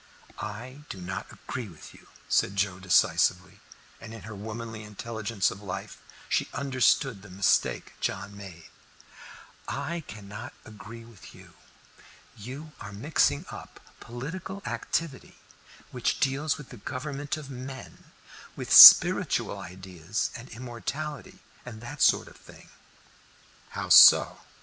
"I do not agree with you," said Joe decisively, and in her womanly intelligence of life she understood the mistake John made. "I cannot agree with you. You are mixing up political activity, which deals with the government of men, with spiritual ideas and immortality, and that sort of thing." "How so?"